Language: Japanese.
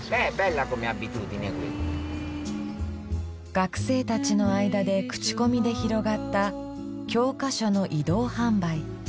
学生たちの間で口コミで広がった教科書の移動販売。